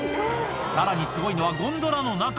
さらにすごいのは、ゴンドラの中。